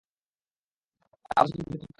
জবাবে তারা বলে, আবু সুফিয়ান যুদ্ধের পক্ষে নয়।